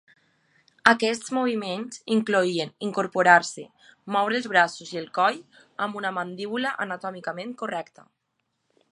Aquests moviments incloïen incorporar-se, moure els braços i el coll, amb una mandíbula anatòmicament correcta.